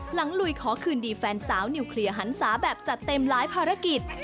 ลุยขอคืนดีแฟนสาวนิวเคลียร์หันศาแบบจัดเต็มหลายภารกิจ